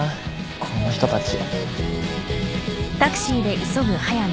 この人たち。